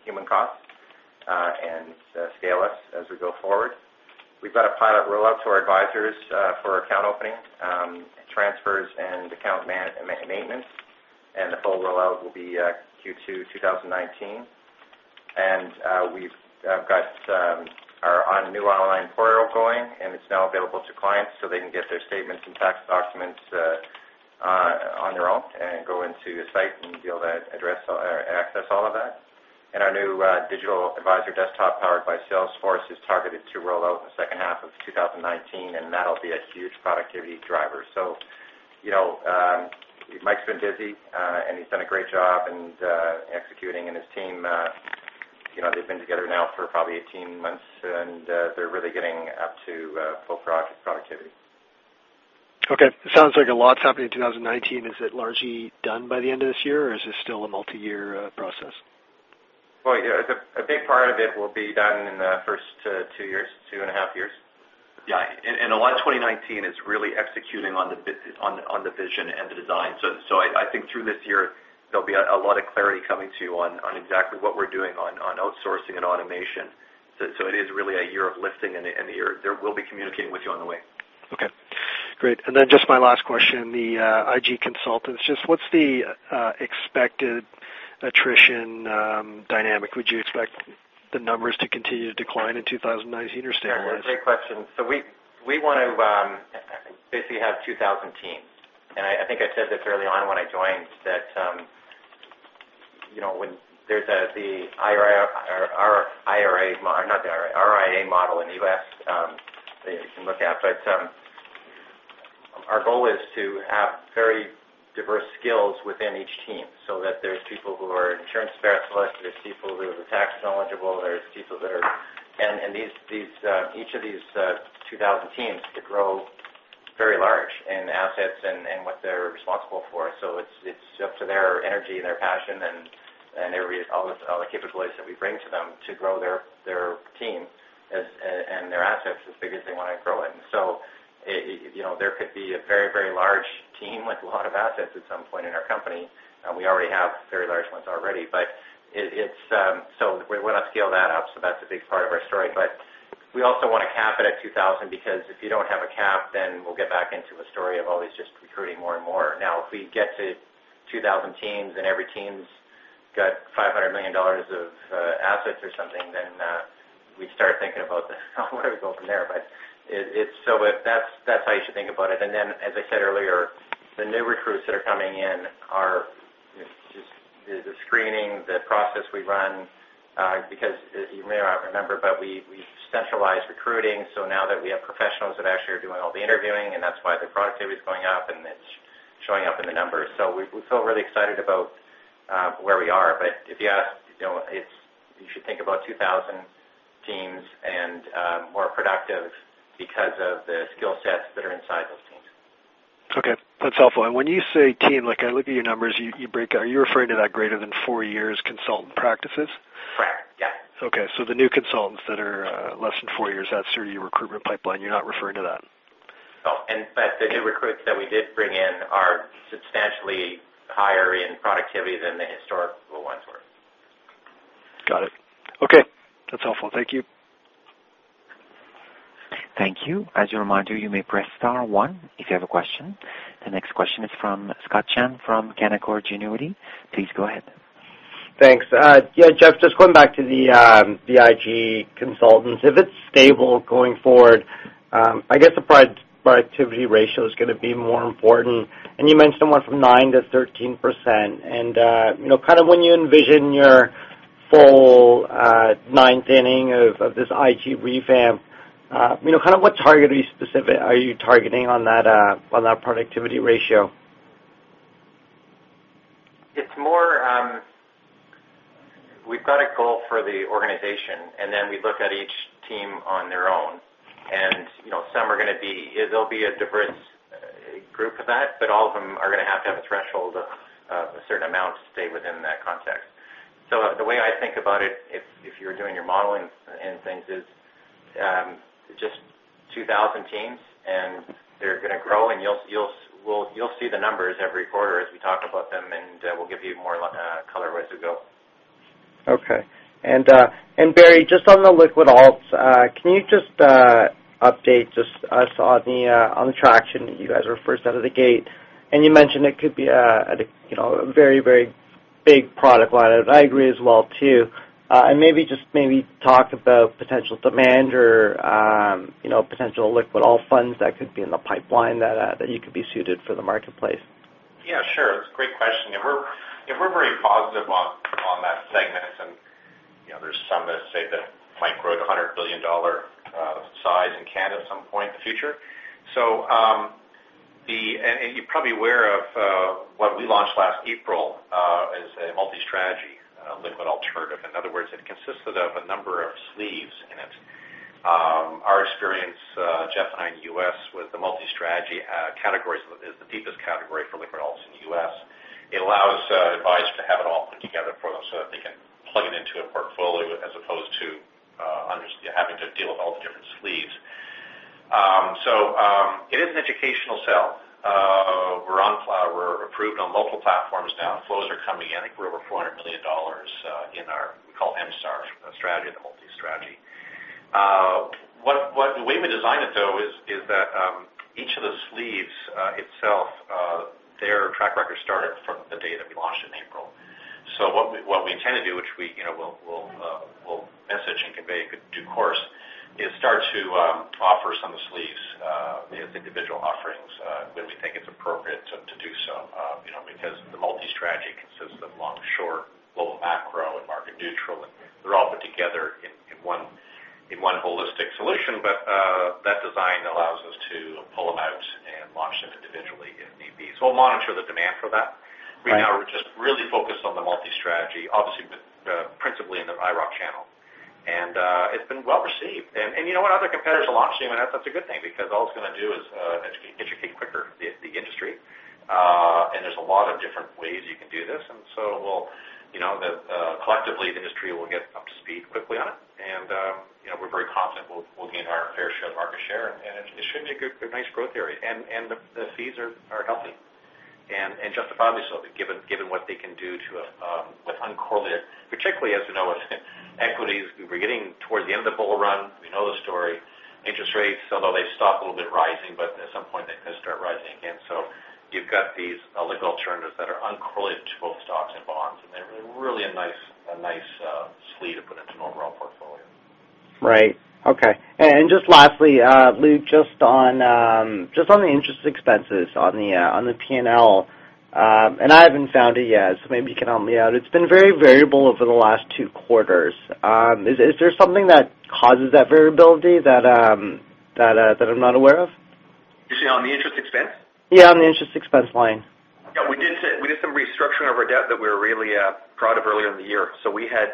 human costs, and scale us as we go forward. We've got a pilot rollout to our advisors for account opening, transfers, and account maintenance, and the full rollout will be Q2, 2019. We've got our new online portal going, and it's now available to clients, so they can get their statements and tax documents on their own and go into the site, and be able to address or access all of that. Our new digital advisor desktop, powered by Salesforce, is targeted to roll out in the second half of 2019, and that'll be a huge productivity driver. So, you know, Mike's been busy, and he's done a great job executing, and his team, you know, they've been together now for probably 18 months, and they're really getting up to full productivity. Okay. Sounds like a lot's happening in 2019. Is it largely done by the end of this year, or is this still a multi-year process?... Well, yeah, a big part of it will be done in the first two years, two and a half years. Yeah, and a lot of 2019 is really executing on the vision and the design. So, I think through this year, there'll be a lot of clarity coming to you on exactly what we're doing on outsourcing and automation. So, it is really a year of lifting, and we'll be communicating with you on the way. Okay, great. And then just my last question, the IG consultants, just what's the expected attrition dynamic? Would you expect the numbers to continue to decline in 2019 or stabilize? Yeah, great question. So we want to basically have 2000 teams. And I think I said this early on when I joined, that you know, when there's the IRA or our IRA mo- not the IRA, RIA model in the US, you can look at. But our goal is to have very diverse skills within each team so that there's people who are insurance specialists, there's people who are tax knowledgeable, there's people that are. And these 2000 teams could grow very large in assets and what they're responsible for. So it's up to their energy and their passion and all the capabilities that we bring to them to grow their team as and their assets as big as they want to grow it. So, you know, there could be a very, very large team with a lot of assets at some point in our company. We already have very large ones already, but it's... So we want to scale that up, so that's a big part of our story. But we also want to cap it at 2000, because if you don't have a cap, then we'll get back into a story of always just recruiting more and more. Now, if we get to 2000 teams, and every team's got 500 million dollars of assets or something, then we start thinking about where to go from there. But it's, so that's how you should think about it. And then, as I said earlier, the new recruits that are coming in are just the screening process we run, because as you may or not remember, but we centralize recruiting. So now that we have professionals that actually are doing all the interviewing, and that's why the productivity is going up, and it's showing up in the numbers. So we feel really excited about where we are. But if you ask, you know, it's you should think about 2,000 teams and more productive because of the skill sets that are inside those teams. Okay, that's helpful. And when you say team, like I look at your numbers, you, you break down. Are you referring to that greater than four years consultant practices? Correct. Yeah. Okay, so the new consultants that are, less than four years, that's through your recruitment pipeline, you're not referring to that? No. But the new recruits that we did bring in are substantially higher in productivity than the historical ones were. Got it. Okay, that's helpful. Thank you. Thank you. As a reminder, you may press star one if you have a question. The next question is from Scott Chan, from Canaccord Genuity. Please go ahead. Thanks. Yeah, Jeff, just going back to the IG consultants. If it's stable going forward, I guess the productivity ratio is going to be more important. And you know, kind of when you envision your full ninth inning of this IG revamp, you know, kind of what target are you targeting on that productivity ratio? It's more, we've got a goal for the organization, and then we look at each team on their own. And, you know, some are going to be... It'll be a diverse group of that, but all of them are going to have to have a threshold of a certain amount to stay within that context. So the way I think about it, if you're doing your modeling and things, is just 2,000 teams, and they're going to grow, and you'll see the numbers every quarter as we talk about them, and we'll give you more color as we go. Okay. And, and Barry, just on the liquid alts, can you just, update just us on the, on the traction? You guys were first out of the gate, and you mentioned it could be a, a, you know, a very, very big product line. I agree as well, too. And maybe just maybe talk about potential demand or, you know, potential liquid alt funds that, that you could be suited for the marketplace. Yeah, sure. It's a great question. Yeah, we're very positive on that segment. And, you know, there's some that say that it might grow to 100 billion dollar size in Canada at some point in the future. So, and you're probably aware of what we launched last April is a multi-strategy liquid alternative. In other words, it consisted of a number of sleeves in it. Our experience, Jeff and I, in the US, with the multi-strategy categories, is the deepest category for liquid alts in the US. It allows advisors to have it all put together for them, so that they can plug it into a portfolio, as opposed to having to deal with all the different sleeves. So, it is an educational sell. We're approved on multiple platforms now. Flows are coming in. I think we're over 400 million dollars in our, we call it MStar strategy, the multi-strategy. The way we design it, though, is that each of the sleeves itself their track record started from the date that we launched in April. So what we intend to do, which we, you know, we'll message and convey in due course, is start to offer some of the sleeves as individual offerings when we think it's appropriate to do so. You know, because the multi-strategy consists of long/short, global macro, and market neutral, and they're all put together in one holistic solution. But, that design allows us to pull them out and launch them individually if need be. So we'll monitor the demand for that. Right. We now are just really focused on the multi-strategy, obviously, with principally in the IIROC channel. And it's been well received. And you know what? Other competitors are launching, and that's a good thing, because all it's gonna do is educate quicker the industry. And there's a lot of different ways you can do this, and so we'll, you know, collectively, the industry will get up to speed quickly on it. And you know, we're very confident we'll gain our fair share of market share, and it should be a good, a nice growth area. And the fees are healthy and justifiably so, given what they can do with uncorrelated, particularly as we know, equities. We're getting towards the end of the bull run. We know the story. Interest rates, although they've stopped a little bit rising, but at some point they're gonna start rising again. So you've got these liquid alternatives that are uncorrelated to both stocks and bonds, and they're really a nice sleeve to put into an overall portfolio. Right. Okay. And just lastly, Luke, just on the interest expenses on the P&L, and I haven't found it yet, so maybe you can help me out. It's been very variable over the last two quarters. Is there something that causes that variability that I'm not aware of? You say on the interest expense? Yeah, on the interest expense line. Yeah, we did some restructuring of our debt that we were really proud of earlier in the year. So we had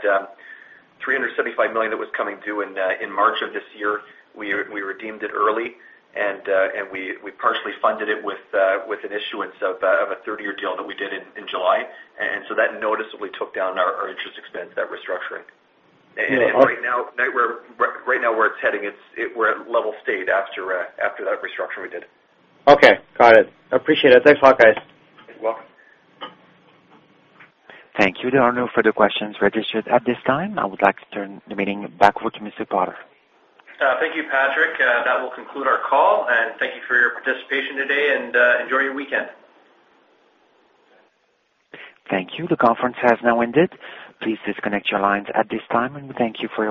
375 million that was coming due in March of this year. We redeemed it early, and we partially funded it with an issuance of a 30-year deal that we did in July. And so that noticeably took down our interest expense, that restructuring. Yeah. Right now, where it's heading, it's we're at level state after that restructuring we did. Okay, got it. I appreciate it. Thanks a lot, guys. You're welcome. Thank you. There are no further questions registered at this time. I would like to turn the meeting back over to Mr. Potter. Thank you, Patrick. That will conclude our call, and thank you for your participation today, and enjoy your weekend. Thank you. The conference has now ended. Please disconnect your lines at this time, and we thank you for your participation.